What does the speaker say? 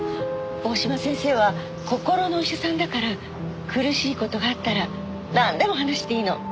大嶋先生は心のお医者さんだから苦しい事があったらなんでも話していいの。